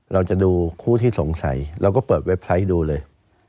เราจะดูคู่ที่สงสัยเราก็เปิดเว็บไซต์ดูเลย